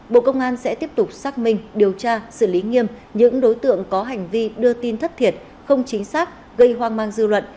bộ công an sẽ tiếp tục xác minh điều tra xử lý nghiêm những đối tượng có hành vi đưa tin thất thiệt không chính xác gây hoang mang dư luận